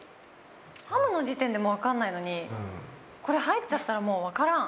ハムの時点でも分かんないのに、これ入っちゃったら、もう分からん。